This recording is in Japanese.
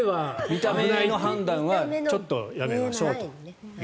見た目の判断はちょっとやめましょうという。